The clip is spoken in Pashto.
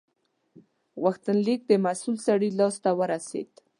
غوښتنلیک د مسول سړي لاس ته ورسید.